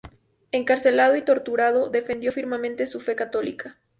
Encarcelado y torturado, defendió firmemente su fe católica.